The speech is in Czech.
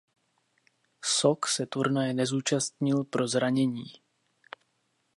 Sock se turnaje nezúčastnil pro zranění.